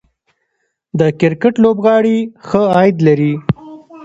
د کرکټ لوبغاړي ښه عاید لري